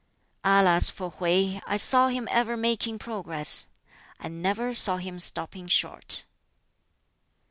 "Alas for Hwķi! I saw him ever making progress. I never saw him stopping short.